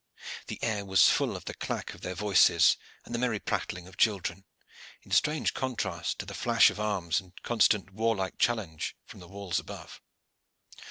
The air was full of the clack of their voices and the merry prattling of children, in strange contrast to the flash of arms and constant warlike challenge from the walls above.